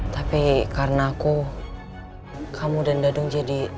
tapi karena aku kamu dan dadung jadi